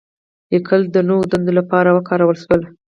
لیکل د نوو دندو لپاره وکارول شول.